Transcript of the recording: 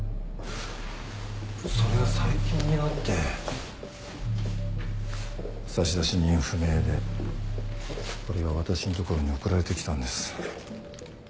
それが最近になって差出人不明でこれが私の所に送られてきたんです。